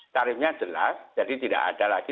tarifnya jelas jadi tidak ada lagi